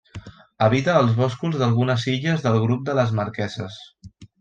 Habita els boscos d'algunes illes del grup de les Marqueses.